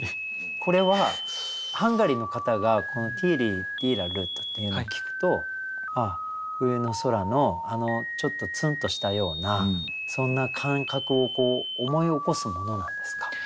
これはハンガリーの方がこの「ティーリディーラルット」っていうのを聞くとああ冬の空のあのちょっとツンとしたようなそんな感覚を思い起こすものなんですか？